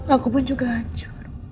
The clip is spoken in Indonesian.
aku pun juga hancur